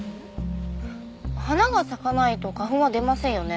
花が咲かないと花粉は出ませんよね。